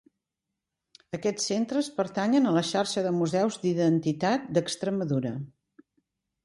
Aquests centres pertanyen a la xarxa de Museus d'Identitat d'Extremadura.